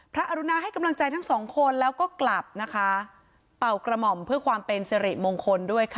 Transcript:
อรุณาให้กำลังใจทั้งสองคนแล้วก็กลับนะคะเป่ากระหม่อมเพื่อความเป็นสิริมงคลด้วยค่ะ